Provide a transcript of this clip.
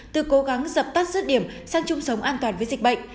từ cố gắng dập tắt rứt điểm sang chung sống an toàn với dịch bệnh